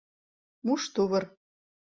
Муш тувыр.